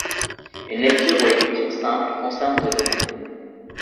Une lecture ou écriture simple concerne de données.